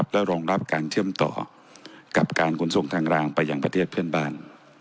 และรองรับการเชื่อมต่อกับการขนส่งทางรางไปยังประเทศเพื่อนบ้าน